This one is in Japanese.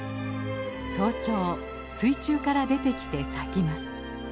早朝水中から出てきて咲きます。